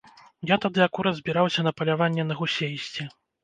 Я тады акурат збіраўся на паляванне на гусей ісці.